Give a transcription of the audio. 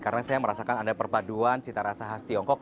karena saya merasakan ada perpaduan cita rasa khas tiongkok